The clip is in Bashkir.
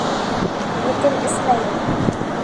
Һинекен эсмәйем!